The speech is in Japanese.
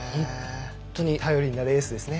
頼りになるエースですね。